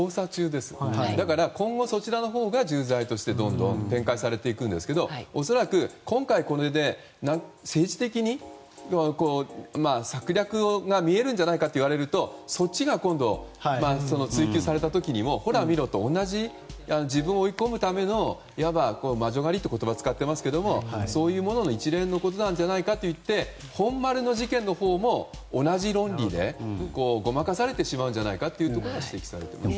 ですから今後そちらのほうが重罪としてどんどん展開されていくんですけど恐らく今回、これで政治的に策略が見えるんじゃないかといわれるとそっちが追及された時にもほら見ろと同じ自分を追い込むための魔女狩りという言葉を使っていますけどそういうものの一連のことじゃないかといって本丸の事件のほうも同じ論理でごまかされてしまうのではないかというところが指摘されていますね。